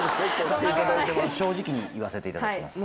正直に言わせていただきます。